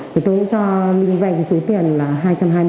thì tôi cũng cho linh vành số tiền là hai trăm hai mươi triệu